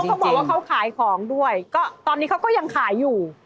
เขาบอกว่าเขาขายของด้วยก็ตอนนี้เขาก็ยังขายอยู่